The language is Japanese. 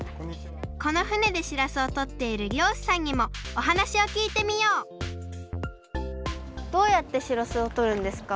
この船でしらすをとっているりょうしさんにもおはなしをきいてみようどうやってしらすをとるんですか？